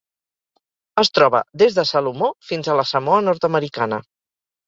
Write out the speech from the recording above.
Es troba des de Salomó fins a la Samoa Nord-americana.